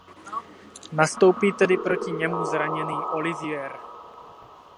Nastoupí tedy proti němu zraněný Olivier.